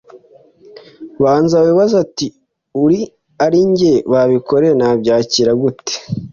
banza wibaze uti ari jye babikoreye nabyakira gute